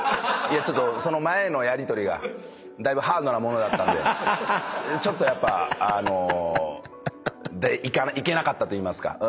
ちょっとその前のやりとりがだいぶハードなものだったんでちょっとやっぱあのいけなかったといいますか。